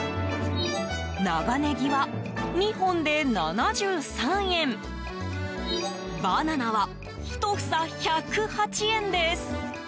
長ネギは２本で７３円バナナは１房１０８円です。